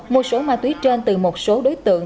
mua số ma túy trên từ một số đối tượng